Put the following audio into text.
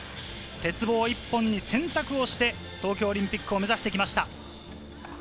鉄棒一本に選択をして東京オリンピックを目指してきました。